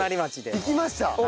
行きました。